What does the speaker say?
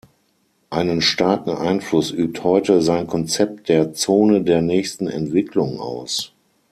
Einen starken Einfluss übt heute sein Konzept der "Zone der nächsten Entwicklung" aus.